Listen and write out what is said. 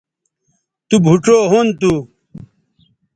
تو بھوڇؤ ھُن تھو